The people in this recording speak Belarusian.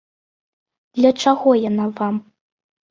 Для чаго яна вам?